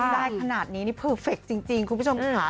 ได้ขนาดนี้นี่เพอร์เฟคจริงคุณผู้ชมค่ะ